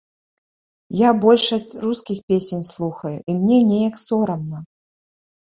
Я большасць рускіх песень слухаю, і мне неяк сорамна.